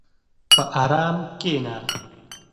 په ارام کښېنه.